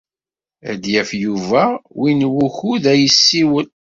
Ad d-yaf Yuba win wukud ad yessiwel.